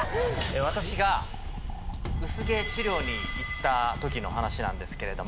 私が薄毛治療に行った時の話なんですけれども。